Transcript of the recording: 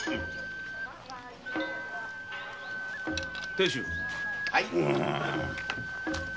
亭主。